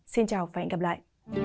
xin chào và hẹn gặp lại